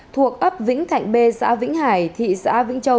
thuộc ấp vĩnh thạnh b xã vĩnh hải thị xã vĩnh châu